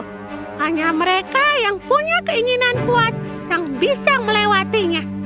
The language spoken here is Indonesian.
hanya mereka yang punya keinginan kuat yang bisa melewatinya